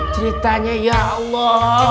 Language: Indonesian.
ceritanya ya allah